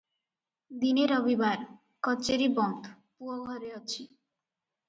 ଦିନେ ରବିବାର, କଚେରି ବନ୍ଦ, ପୁଅ ଘରେ ଅଛି ।